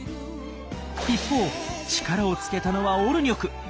一方力をつけたのはオルニョク。